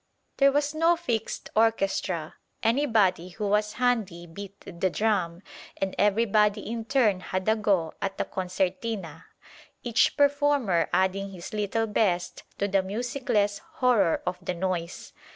There was no fixed orchestra; anybody who was handy beat the drum, and everybody in turn had a go at the concertina; each performer adding his little best to the musicless horror of the noise.